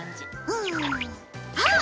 うんあっ！